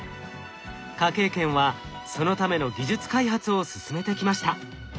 科警研はそのための技術開発を進めてきました。